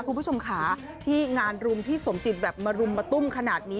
คุณผู้ชมค่ะที่งานรุมพี่สมจิตแบบมารุมมาตุ้มขนาดนี้